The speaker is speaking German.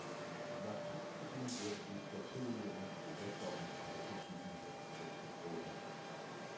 Nach Kriegsbeginn wurde die Flottille in die Gewässer um die Britischen Inseln zurückbefohlen.